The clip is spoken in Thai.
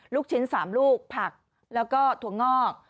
ลูกชิ้น๓ลูกผักแล้วก็ถั่วงอก